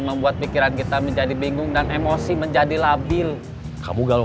sampai jumpa di video selanjutnya